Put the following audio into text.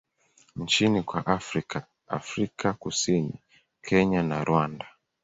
nchini kwa Afrika Afrika Kusini, Kenya na Rwanda.